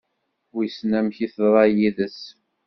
Wissen amek i teḍra yid-s?